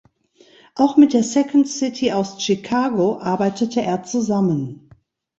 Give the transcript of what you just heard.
Auch mit der Second City aus Chicago arbeitete er zusammen.